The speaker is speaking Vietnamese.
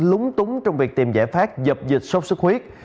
lúng túng trong việc tìm giải pháp dập dịch sốc sức huyết